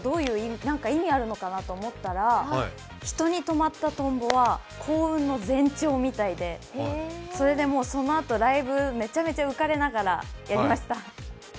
何か意味あるのかなと思ったら人にとまったトンボは幸運の前兆みたいでそれでもう、そのあとライブめちゃめちゃ浮かれながらやりました。